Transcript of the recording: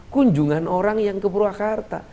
kunjungan orang yang ke purwakarta